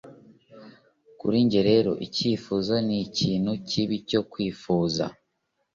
kuri njye rero, icyifuzo nikintu kibi cyo kwifuza